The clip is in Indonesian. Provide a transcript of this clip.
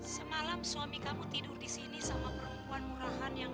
sampai jumpa di video selanjutnya